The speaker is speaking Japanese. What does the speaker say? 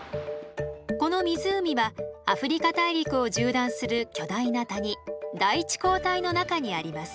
この湖はアフリカ大陸を縦断する巨大な谷大地溝帯の中にあります。